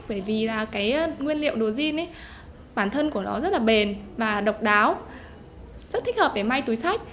bởi vì là cái nguyên liệu đồ jean ấy bản thân của nó rất là bền và độc đáo rất thích hợp để may túi sách